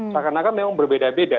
seakan akan memang berbeda beda